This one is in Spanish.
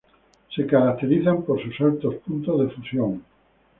Se caracterizan por sus altos puntos de fusión.